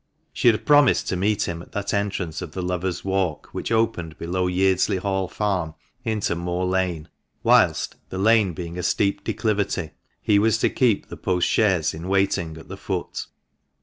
She had promised to meet him at that entrance of the Lovers' Walk which opened below Yeardsley Hall Farm into Moor Lane, whilst, the lane being a steep declivity, he was to keep the post chaise in waiting at the foot.